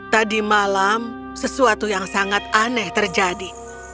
tadi malam sesuatu yang sangat aneh terjadi